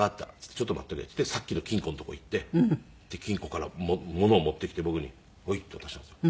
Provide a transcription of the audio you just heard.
ちょっと待っとけ」って言ってさっきの金庫の所行って金庫からものを持ってきて僕にホイって渡したんですよ。